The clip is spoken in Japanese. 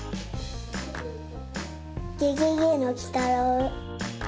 ゲゲゲのきたろう。